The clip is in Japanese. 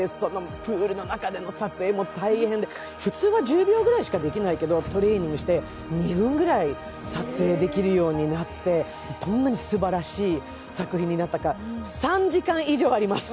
プールの中での撮影も大変で普通は１０秒ぐらいしかできないけど、トレーニングして２分ぐらい撮影できるようになってどんなにすばらしい作品になったか３時間以上あります。